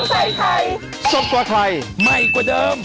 สวัสดีค่ะ